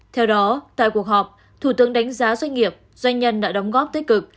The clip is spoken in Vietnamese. theo đó tại cuộc họp thủ tướng đánh giá doanh nghiệp doanh nhân đã đóng góp tích cực